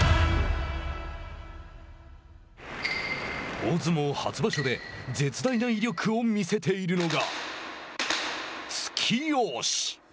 大相撲初場所で絶大な威力を見せているのが。